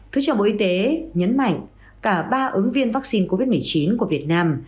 thứ trưởng bộ y tế nhấn mạnh cả ba ứng viên vaccine covid một mươi chín của việt nam